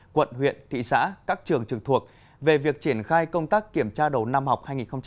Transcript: quận huyện thị xã các trường trực thuộc về việc triển khai công tác kiểm tra đầu năm học hai nghìn hai mươi hai nghìn hai mươi một